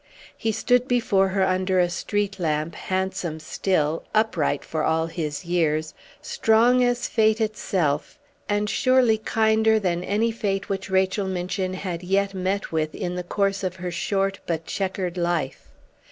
He stood before her under a street lamp, handsome still, upright for all his years, strong as fate itself, and surely kinder than any fate which Rachel Minchin had yet met with in the course of her short but checkered life.